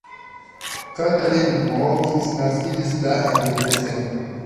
Katalin M. Kiss naskiĝis la en Debrecen.